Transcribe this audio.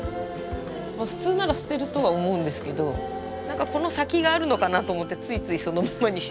普通なら捨てるとは思うんですけど何かこの先があるのかなと思ってついついそのままにして。